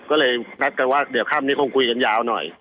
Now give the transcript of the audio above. ก็เลยนัดกันว่าเดี๋ยวค่ำนี้คงคุยกันยาวหน่อย